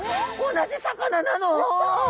同じ魚なの！